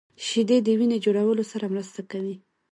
شیدې د وینې جوړولو سره مرسته کوي